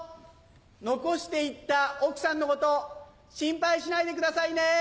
残していった奥さんのこと心配しないでくださいね！